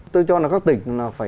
tôi cho là các tỉnh